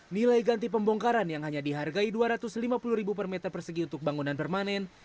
nilai ganti pembongkaran yang hanya dihargai dua ratus lima puluh per meter persegi untuk bangunan permanen